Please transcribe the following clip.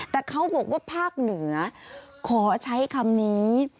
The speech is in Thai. แต่เขาบอกว่าภาคเหนือขอใช้คำนี้